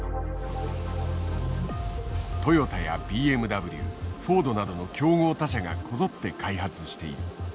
トヨタやＢＭＷフォードなどの競合他社がこぞって開発している。